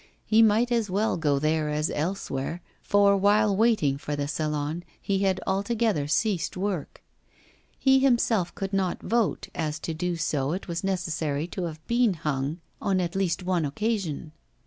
He might as well go there as elsewhere, for while waiting for the Salon he had altogether ceased work. He himself could not vote, as to do so it was necessary to have been 'hung' on at least one occasion.